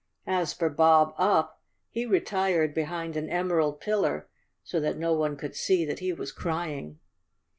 As for Bob Up, he retired behind an emerald pillar so that no one could see that he was crying.